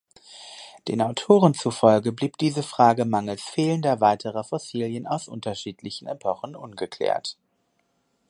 Den Autoren zufolge bleibt diese Frage mangels fehlender weiterer Fossilien aus unterschiedlichen Epochen ungeklärt.